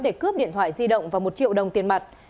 để cướp điện thoại di động và một triệu đồng tiền mặt